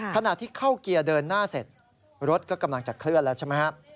ขณะที่เข้าเกียร์เดินหน้าเสร็จรถก็กำลังจะเคลื่อนแล้วใช่ไหมครับ